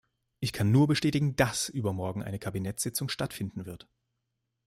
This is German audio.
Ich kann nur bestätigen, dass übermorgen eine Kabinettsitzung stattfinden wird.